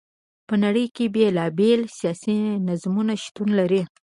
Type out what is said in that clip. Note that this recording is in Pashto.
په نړی کی بیلا بیل سیاسی نظامونه شتون لری.